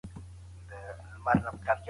حالت بېشميره بېلګي موجود دی.